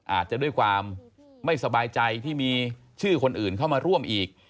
อาจจะด้วยความไม่สบายใจที่มีชื่อคนอื่นเข้ามาร่วมอีก